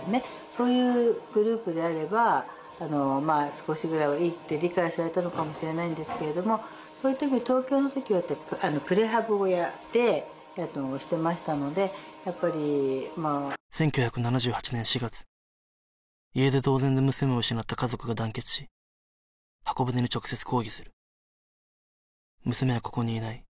そういうグループであれば少しぐらいはいいって理解されたのかもしれないんですけれどもそういった意味で東京の時はプレハブ小屋でえっとしてましたのでやっぱりまあ１９７８年４月家出同然で娘を失った家族が団結し方舟に直接抗議する「娘はここにいない」